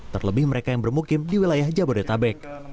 terlebih mereka yang bermukim di wilayah jabodetabek